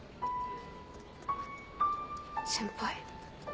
先輩。